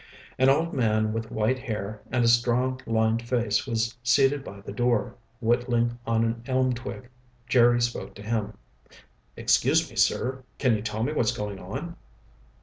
An old man with white hair and a strong, lined face was seated by the door, whittling on an elm twig. Jerry spoke to him. "Excuse me, sir. Can you tell me what's going on?"